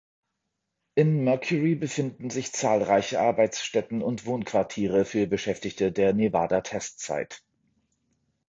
In Mercury befinden sich zahlreiche Arbeitsstätten und Wohnquartiere für Beschäftigte der Nevada Test Site.